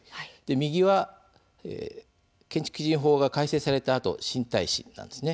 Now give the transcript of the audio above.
右は、建築基準法が改正されたあと「新耐震」なんです。